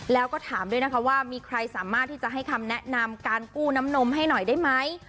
แล้วก็ถามด้วยนะคะว่ามีใครสามารถที่จะให้คำแนะนำการกู้น้ำนมให้หน่อยได้ไหม